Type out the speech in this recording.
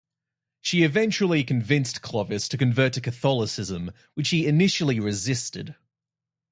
She eventually convinced Clovis to convert to Catholicism, which he initially resisted.